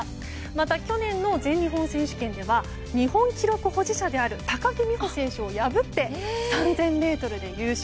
また、去年の全日本選手権では日本記録保持者である高木美帆選手を破って３０００ｍで優勝。